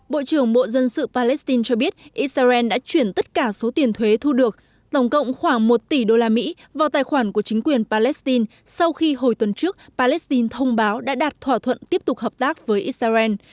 bộ trưởng bộ dân sự palestine cho biết israel đã chuyển tất cả số tiền thuế thu được tổng cộng khoảng một tỷ đô la mỹ vào tài khoản của chính quyền palestine sau khi hồi tuần trước palestine thông báo đã đạt thỏa thuận tiếp tục hợp tác với israel